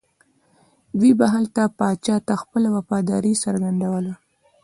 دوی به هلته پاچا ته خپله وفاداري څرګندوله.